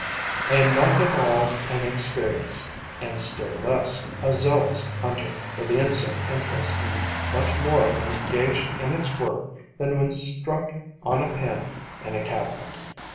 I am not at all an experienced and, still less, a zealous hunter, for the insect interests me much more when engaged in its work than when struck on a pin in a cabinet.